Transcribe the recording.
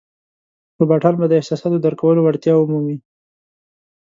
روباټان به د احساساتو درک کولو وړتیا ومومي.